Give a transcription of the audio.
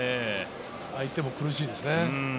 相手も苦しいですね。